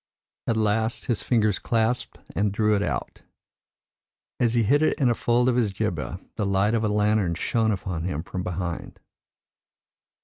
At last his fingers clasped and drew it out; as he hid it in a fold of his jibbeh, the light of a lantern shone upon him from behind."